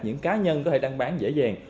những cá nhân có thể đăng bán dễ dàng